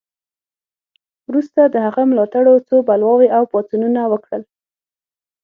وروسته د هغه ملاتړو څو بلواوې او پاڅونونه وکړل.